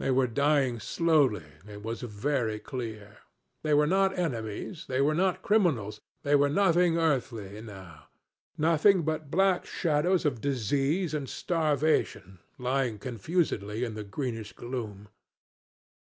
"They were dying slowly it was very clear. They were not enemies, they were not criminals, they were nothing earthly now, nothing but black shadows of disease and starvation, lying confusedly in the greenish gloom.